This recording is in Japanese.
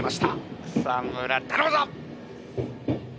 草村頼むぞ！